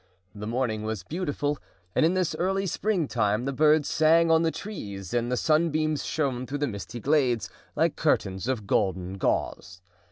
The morning was beautiful, and in this early springtime the birds sang on the trees and the sunbeams shone through the misty glades, like curtains of golden gauze.